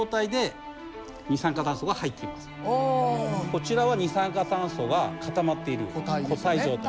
こちらは二酸化炭素が固まっている固体状態。